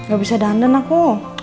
gak bisa dandan aku